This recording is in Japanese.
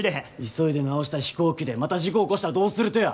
急いで直した飛行機でまた事故起こしたらどうするとや！